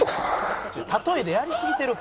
「例えでやりすぎてる。